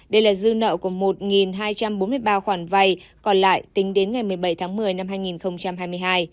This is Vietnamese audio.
đây là dư nợ của một hai trăm bốn mươi ba khoản vay còn lại tính đến ngày một mươi bảy tháng một mươi năm hai nghìn hai mươi hai